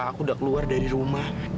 aku udah keluar dari rumah